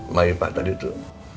maipa tadi tuh